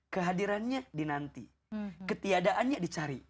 kehadirannya dinanti ketiadaannya dicari